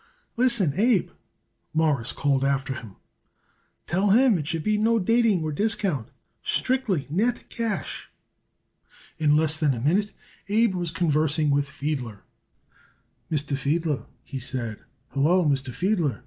"Listen, Abe," Morris called after him, "tell him it should be no dating or discount, strictly net cash." In less than a minute, Abe was conversing with Fiedler. "Mr. Fiedler!" he said. "Hello, Mr. Fiedler!